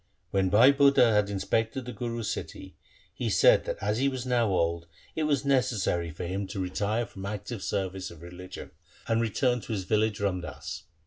When Bhai Budha had inspected the Guru's city he said that as he was now old, it was necessary for him to retire from the LIFE OF GURU HAR GOBIND 121 active service of religion and return to his village Ramdas.